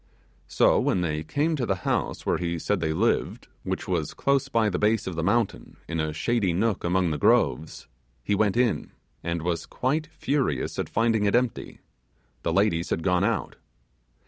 So, when they came to the house where he said they lived, which was close by the base of the mountain in a shady nook among the groves he went in, and was quite furious at finding it empty the ladies, had gone out.